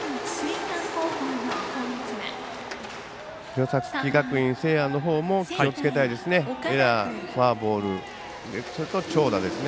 弘前学院聖愛のほうも気をつけたいですね。